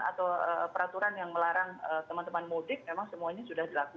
atau peraturan yang melarang teman teman mudik memang semuanya sudah dilakukan